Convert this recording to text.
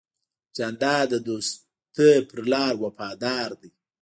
جانداد د دوستی په لار وفادار دی.